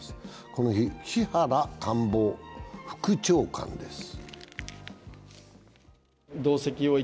この日、木原官房副長官です。